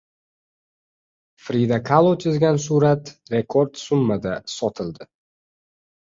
Frida Kalo chizgan surat rekord summada sotildi